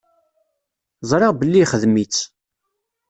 Ẓriɣ belli ixdem-itt.